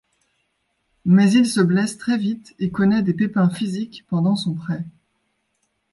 Mais il se blesse très vite et connaît des pépins physiques pendant son prêt.